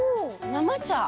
生茶！